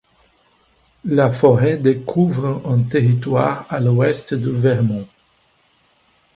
La forêt de couvre un territoire à l'ouest du Vermont.